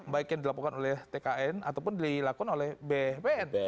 baik yang dilakukan oleh tkn ataupun dilakukan oleh bpn